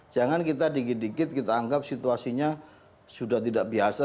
jangan kita dikit dikit kita anggap situasinya sudah tidak biasa